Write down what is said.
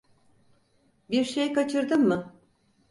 Bir şey kaçırdım mı?